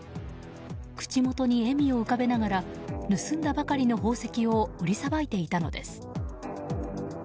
口元に笑みを浮かべながら盗んだばかりの宝石を売りさばいていたのです。